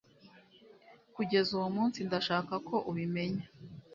Kugeza uwo munsi ndashaka ko ubimenya